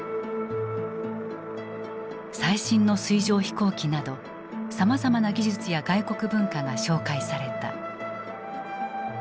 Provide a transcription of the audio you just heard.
最新の水上飛行機などさまざまな技術や外国文化が紹介された。